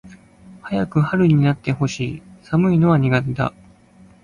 早く春になって欲しい。寒いのは苦手だ。